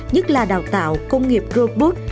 nhất là đào tạo công nghiệp robot